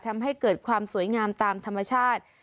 ทำให้เกิดความสวยงามตามธรรมชาติ